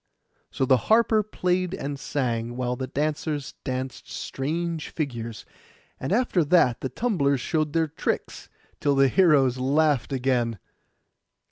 So the harper played and sang, while the dancers danced strange figures; and after that the tumblers showed their tricks, till the heroes laughed again.